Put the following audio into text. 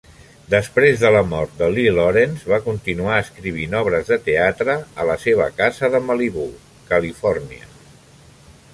Després de la mort de Lee, Lawrence va continuar escrivint obres de teatre a la seva casa de Malibú, Califòrnia.